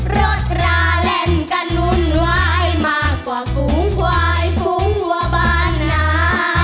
รถราเล่นกันวุ่นวายมากกว่าฝูงควายฝูงวัวบ้านหนา